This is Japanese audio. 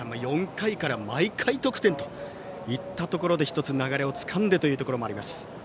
４回から毎回得点といったところで１つ、流れをつかんでといったところもあります。